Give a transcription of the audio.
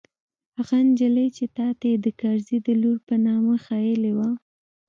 هغه نجلۍ چې تا ته يې د کرزي د لور په نامه ښييلې وه.